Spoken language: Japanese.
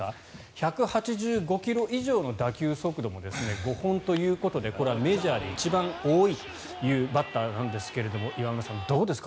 １８５ｋｍ以上の打球速度も５本ということでこれはメジャーで一番多いバッターなんですが岩村さん、どうですか。